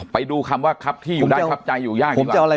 ไปดูคำว่าครับที่อยู่ได้ครับใจอยู่ยาก